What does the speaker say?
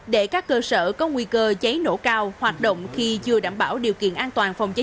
để các cơ sở có nguy cơ cháy nổ cao hoạt động khi chưa đảm bảo điều kiện an toàn phòng cháy